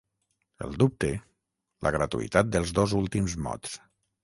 El dubte, la gratuïtat dels dos últims mots.